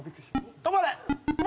止まれ！